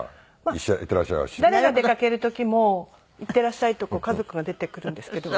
誰が出かける時もいってらっしゃいと家族が出てくるんですけど。